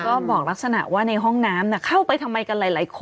ก็บอกลักษณะว่าในห้องน้ำเข้าไปทำไมกันหลายคน